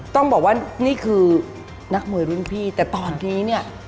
ต้องบอกว่านี่คือนักมวยรุ่นพี่แต่ตอนนี้เนี่ย